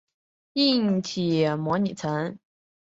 硬体模拟层。